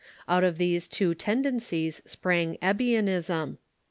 Out of these two tendencies sprang Ebionism.